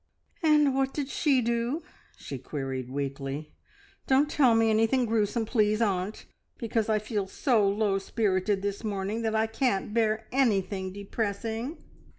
"And what did she do?" she queried weakly. "Don't tell me anything gruesome, please, aunt, because I feel so low spirited this morning that I can't bear anything depressing!"